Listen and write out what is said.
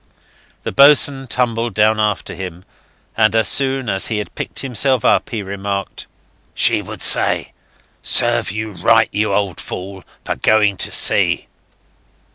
The boatswain tumbled down after him, and as soon as he had picked himself up he remarked, "She would say, 'Serve you right, you old fool, for going to sea.'"